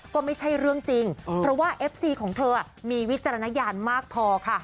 ก็ไม่ใช่เรื่องจริงเพราะว่าเอฟซีของเธอมีวิจารณญาณมากพอค่ะ